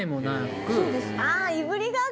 そうです。